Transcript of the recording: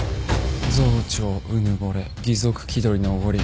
増長うぬぼれ義賊気取りのおごり